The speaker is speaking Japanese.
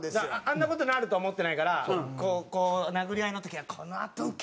あんな事になると思ってないからこう殴り合いの時はこのあとウケるぞと。